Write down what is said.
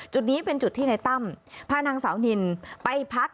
จุดนี้เป็นจุดที่นายตั้มพานางสาวนินไปพัก